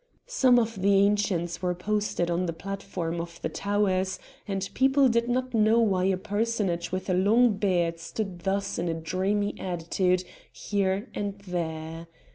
Some of the Ancients were posted on the platform of the towers, and people did not know why a personage with a long beard stood thus in a dreamy attitude here and there.